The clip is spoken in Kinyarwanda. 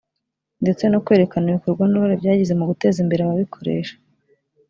ndetse no kwerekana ibikorwa n’uruhare byagize mu guteza imbere aba bikoresha